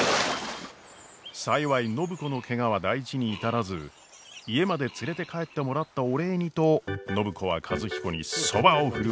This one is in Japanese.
幸い暢子のケガは大事に至らず家まで連れて帰ってもらったお礼にと暢子は和彦にそばを振る舞うことにしました。